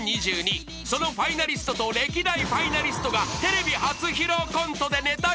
そのファイナリストと歴代ファイナリストがテレビ初披露コントでネタ合戦］